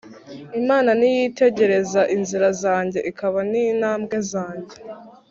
Imana ntiyitegereza inzira zanjye Ikabara ni ntambwe zanjye